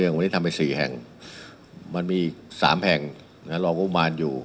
วันนี้ทำไปสี่แห่งมันมีสามแห่งนะฮะรอโง่มานอยู่